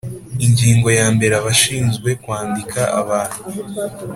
Ingingo ya mbere Abashinzwe kwandika abantu